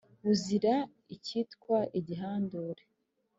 Buzira ikitwa igihandure